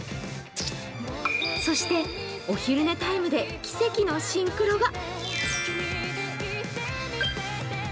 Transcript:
そして、お昼寝タイムで奇跡のシンクロが。